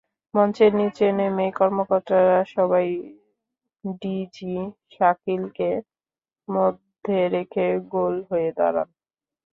মঞ্চের নিচে নেমেই কর্মকর্তারা সবাই ডিজি শাকিলকে মধ্যে রেখে গোল হয়ে দাঁড়ান।